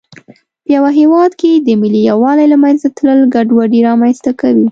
په یوه هېواد کې د ملي یووالي له منځه تلل ګډوډي رامنځته کوي.